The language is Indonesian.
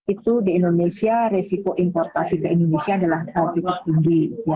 itu di indonesia resiko importasi ke indonesia adalah cukup tinggi